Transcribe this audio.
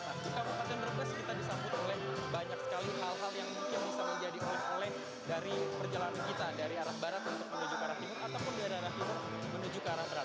nah di kabupaten brebes kita disambut oleh banyak sekali hal hal yang mungkin bisa menjadi oleh oleh dari perjalanan kita dari arah barat untuk menuju ke arah timur ataupun dari arah timur menuju ke arah barat